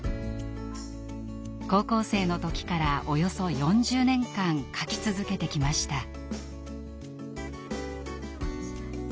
高校生の時からおよそ４０年間書き続けてきました。